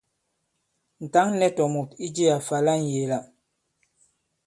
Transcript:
Ǹ tǎŋ nɛ̄ tòmùt i jiā fa la ŋyēe-la.